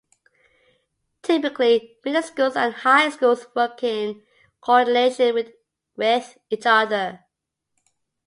Typically, middle schools and high schools work in coordination with each other.